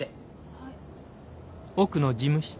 はい。